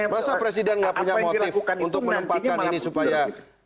masa presiden nggak punya motif untuk menempatkan ini supaya